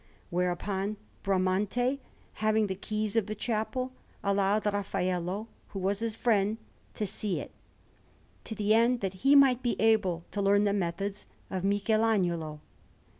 Whereupon Bramante, having the keys of the chapel, allowed Raffaello, who was his friend, to see it, to the end that he might be able to learn the methods of Michelagnolo.